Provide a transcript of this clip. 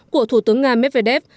của thủ tướng nga medvedev